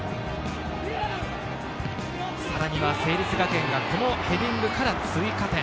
さらには成立学園がこのヘディングから追加点。